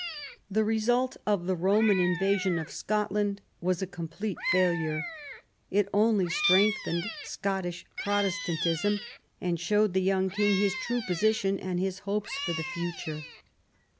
The result of the Roman invasion of Scotland was a complete failure. It only strengthened Scottish Protestantism, and showed the young King his true position and his hopes for the future.